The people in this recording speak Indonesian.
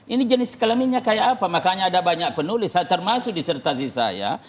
ini jenis kelaminnya kayak apa makanya ada banyak penulis termasuk disertasi saya